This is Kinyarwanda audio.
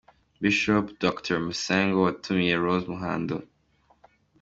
Bishop Dr Masengo watumiye Rose Muhando.